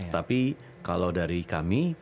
tapi kalau dari kami